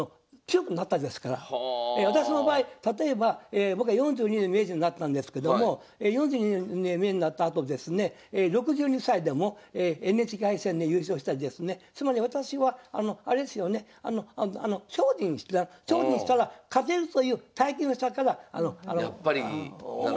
私の場合例えば僕は４２で名人になったんですけども４２で名人になったあとですね６２歳でもＮＨＫ杯戦で優勝したりですねつまり私はあれですよね精進したら勝てるという体験をしたから面白い。